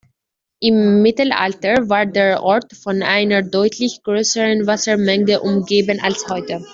Im Mittelalter war der Ort von einer deutlich größeren Wassermenge umgeben als heute.